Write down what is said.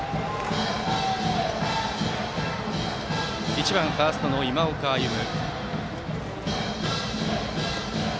１番、ファーストの今岡歩夢。